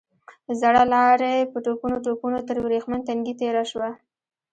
زړه لارۍ په ټوپونو ټوپونو تر ورېښمين تنګي تېره شوه.